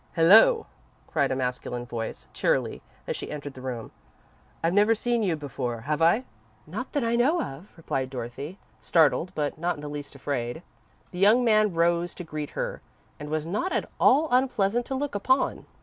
"Hello," cried a masculine voice, cheerily, as she entered the room. "I've never seen you before, have I?" "Not that I know of," replied Dorothy, startled, but not in the least afraid. The young man who rose to greet her was not at all unpleasant to look upon.